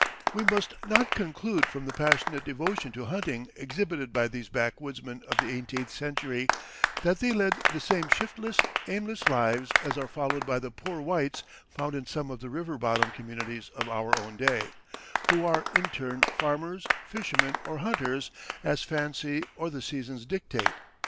] We must not conclude, from the passionate devotion to hunting exhibited by these backwoodsmen of the eighteenth century, that they led the same shiftless, aimless lives as are followed by the "poor whites" found in some of the river bottom communities of our own day, who are in turn farmers, fishermen, or hunters, as fancy or the seasons dictate.